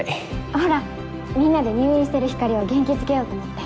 ほらみんなで入院してるひかりを元気づけようと思って。